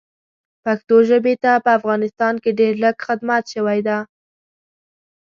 پښتو ژبې ته په افغانستان کې ډېر لږ خدمت شوی ده